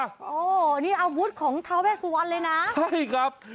อัวบุตรของเทาเวสวันเลยนะใช่ครับ